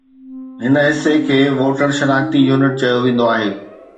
هن حصي کي ووٽر شناختي يونٽ چيو ويندو آهي